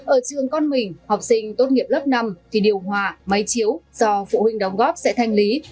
ở trường con mình học sinh tốt nghiệp lớp năm thì điều hòa máy chiếu do phụ huynh đóng góp sẽ thanh lý